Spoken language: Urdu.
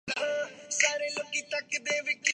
امریکہ اس کو اپنے عزائم کے حوالے سے دیکھ رہا ہے۔